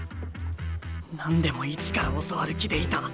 何でも一から教わる気でいた。